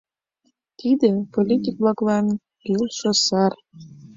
Тиде — политик-влаклан кӱлшӧ сар!